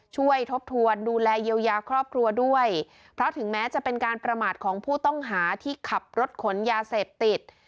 ทบทวนดูแลเยียวยาครอบครัวด้วยเพราะถึงแม้จะเป็นการประมาทของผู้ต้องหาที่ขับรถขนยาเสพติด